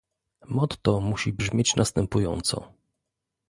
Motto musi brzmieć następująco